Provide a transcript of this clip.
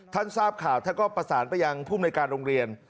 ทราบข่าวท่านก็ประสานไปยังภูมิในการโรงเรียน